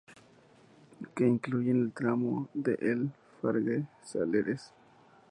que incluyen el tramo de El Fargue-Saleres